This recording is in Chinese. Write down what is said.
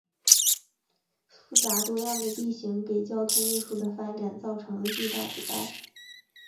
复杂多样的地形给交通运输的发展造成了巨大阻碍。